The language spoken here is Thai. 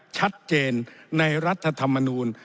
ชัดเจนในรัฐธรรมนูล